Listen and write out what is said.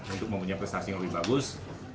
untuk mempunyai prestasi yang lebih bagus